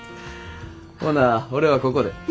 ほな俺はここで。